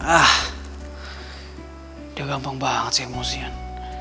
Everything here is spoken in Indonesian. ah dia gampang banget sih emosin